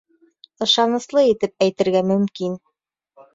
Ышаныслы итеп әйтергә мөмкин